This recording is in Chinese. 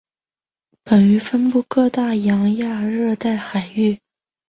本鱼分布各大洋亚热带海域。